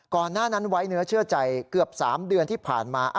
หน้านั้นไว้เนื้อเชื่อใจเกือบ๓เดือนที่ผ่านมา